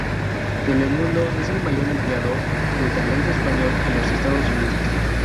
Telemundo es el mayor empleador de talento en español en los Estados Unidos.